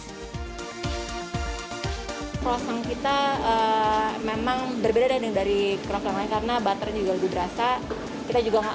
kroffel yang kita memang berbeda dari kroffel yang lain karena butternya juga lebih berasa